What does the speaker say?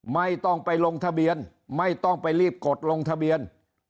ไม่ต้องไปลงทะเบียนไม่ต้องไปรีบกดลงทะเบียน